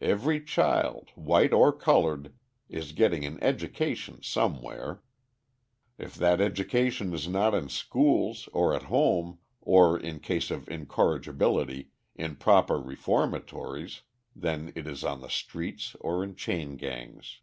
Every child, white or coloured, is getting an education somewhere. If that education is not in schools, or at home, or, in cases of incorrigibility, in proper reformatories, then it is on the streets or in chain gangs.